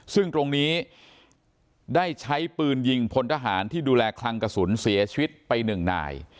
ซึ่งตรงนี้ได้ใช้ปืนยิงพลทหารที่ดูแลคลังกระสุนเสียชีวิตไปหนึ่งนาย